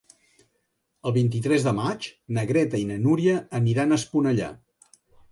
El vint-i-tres de maig na Greta i na Núria aniran a Esponellà.